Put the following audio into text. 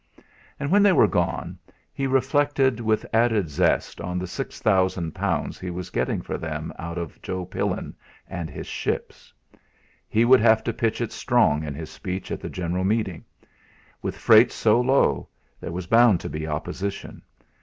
And when they were gone he reflected with added zest on the six thousand pounds he was getting for them out of Joe Pillin and his ships. He would have to pitch it strong in his speech at the general meeting. With freights so low, there was bound to be opposition.